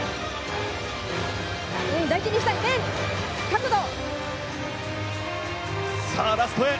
大事にしたいね、角度。